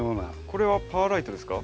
これはパーライトですか？